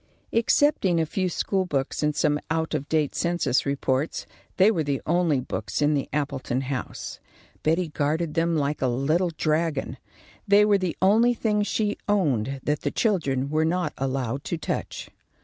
Excepting a few school books and some out of date census reports, they were the only books in the Appleton house. Betty guarded them like a little dragon. They were the only things she owned that the children were not allowed to touch.